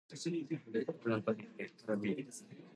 愛してるといった。